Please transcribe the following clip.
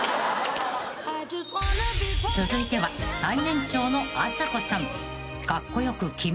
［続いては最年長のあさこさん］